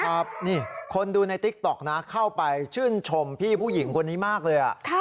ครับนี่คนดูในติ๊กต๊อกนะเข้าไปชื่นชมพี่ผู้หญิงคนนี้มากเลย